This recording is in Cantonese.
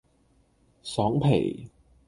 爽皮